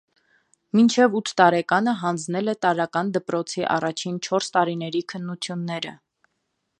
Մինչև ութ տարեկանը հանձնել է տարրական դպրոցի առաջին չորս տարիների քննությունները։